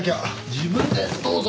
自分でどうぞ。